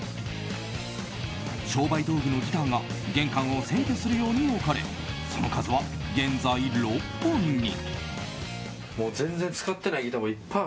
商売道具のギターが玄関を占拠するように置かれその数は現在６本に。